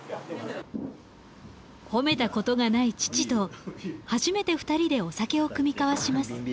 褒めたことがない父と初めて２人でお酒を酌み交わします。